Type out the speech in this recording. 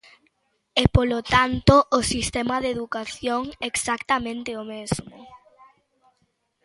E, polo tanto, o sistema de educación, exactamente o mesmo.